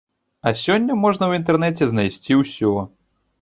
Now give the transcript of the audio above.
А сёння можна ў інтэрнэце знайсці ўсё.